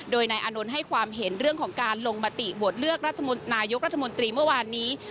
โดยนายอานนท์ให้ความเห็นเรื่องของการลงมติโหวตเลือกนายกรัฐมนตรีเมื่อวานนี้